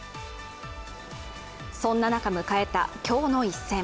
そんな中迎えた今日の一戦。